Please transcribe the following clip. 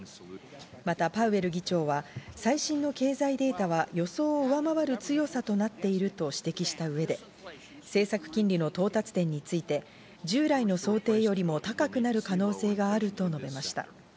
またパウエル議長は最新の経済データは予想を上回る強さとなっていると指摘した上で、政策金利の到達点について、従来の想定よりも高くなる可能性があると述べました。